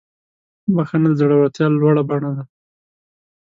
بخښنه د زړورتیا لوړه بڼه ده.